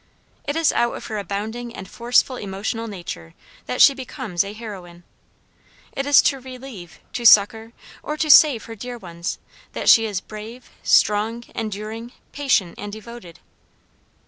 It is out of her abounding and forceful emotional nature that she becomes a heroine. It is to relieve, to succor, or to save her dear ones, that she is brave, strong, enduring, patient, and devoted.